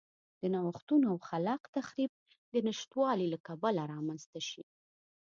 د نوښتونو او خلاق تخریب د نشتوالي له کبله رامنځته شي.